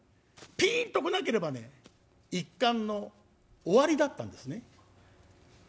ピンと来なければね一巻の終わりだったんですね。